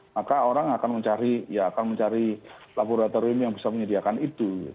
maka orang akan mencari laboratorium yang bisa menyediakan itu